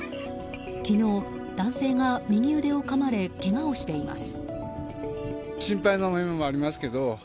昨日、男性が右腕をかまれけがをしています。